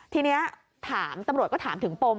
ทีนี้ถามตำรวจก็ถามถึงปม